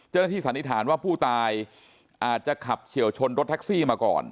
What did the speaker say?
เจ้าหน้าที่สานิทานว่าผู้ตายอาจจะขับเชี่ยวชนรถท็อกซี่มาก่อน